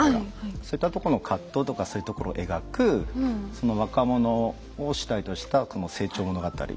そういったとこの葛藤とかそういうところを描くその若者を主体とした成長物語。